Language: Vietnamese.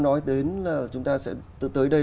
nói đến là chúng ta sẽ tới đây